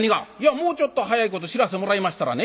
「もうちょっと早いこと知らせてもらいましたらね